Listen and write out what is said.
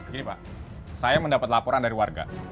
begini pak saya mendapat laporan dari warga